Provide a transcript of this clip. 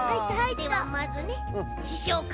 ではまずねししょうから！